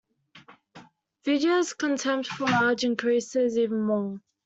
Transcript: Vidya's contempt for Raj increases even more.